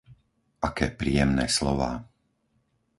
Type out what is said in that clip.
Aké príjemné slová.